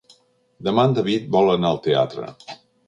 Demà en David vol anar al teatre.